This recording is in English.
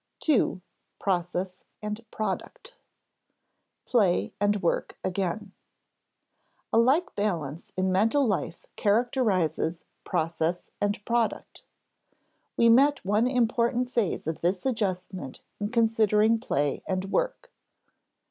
§ 2. Process and Product [Sidenote: Play and work again] A like balance in mental life characterizes process and product. We met one important phase of this adjustment in considering play and work.